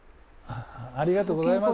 ありがとうございます。